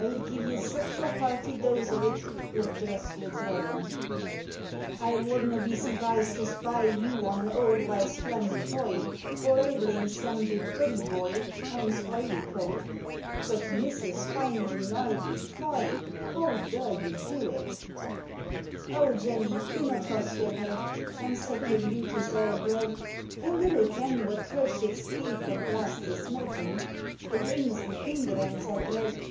1 'd gie you sic a hearty dose o'l, Wad dress your droddum ! I wad na been surprised to spy You on an auld wife's llannen toy; Or aiblins some bit duddie boy, On 's wvlieeoat; But Miss's line Lunardi, lie! How daur ye do '!? O Jenny, dinna loss your head. An' set ydur beauties a' abread ! Ye little ken what cursed speed The blastie 's niakin'! Thae winks and finger ends, I dread.